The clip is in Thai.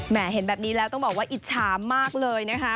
เห็นแบบนี้แล้วต้องบอกว่าอิจฉามากเลยนะคะ